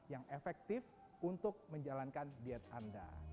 yang efektif untuk menjalankan diet anda